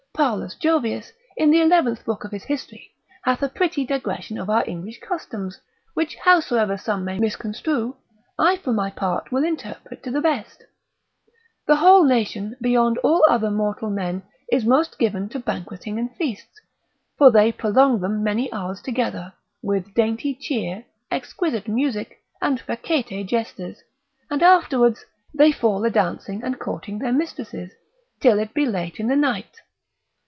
Paulus Jovius, in the eleventh book of his history, hath a pretty digression of our English customs, which howsoever some may misconstrue, I, for my part, will interpret to the best. The whole nation beyond all other mortal men, is most given to banqueting and feasts; for they prolong them many hours together, with dainty cheer, exquisite music, and facete jesters, and afterwards they fall a dancing and courting their mistresses, till it be late in the night.